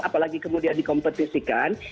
apalagi kemudian dikompetisikan